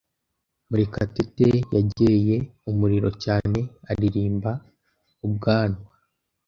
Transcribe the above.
Murekatete yegereye umuriro cyane aririmba ubwanwa.